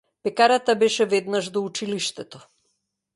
Пекарата беше веднаш до училиштето.